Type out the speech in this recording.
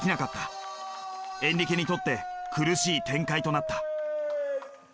エンリケにとって苦しい展開となった。